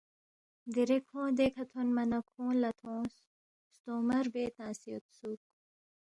دیرے کھونگ دیکھہ تھونما نہ کھونگ لہ تھونگس، ستونگمہ ربے تنگسے یودسُوک